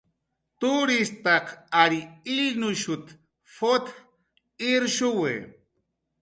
"Tutirtaq ary illnushut"" p""ut irshuwi"